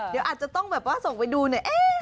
เดี๋ยวอาจจะต้องส่งไปดูเนี่ย